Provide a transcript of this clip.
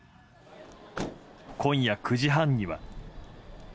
今夜９時半には。